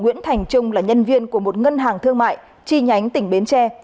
nguyễn thành trung là nhân viên của một ngân hàng thương mại chi nhánh tỉnh bến tre